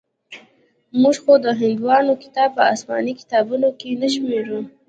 موږ خو د هندوانو کتاب په اسماني کتابونو کښې نه شمېرو.